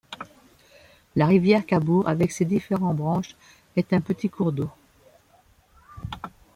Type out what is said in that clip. La rivière Khabour, avec ses différentes branches, est un petit cours d'eau.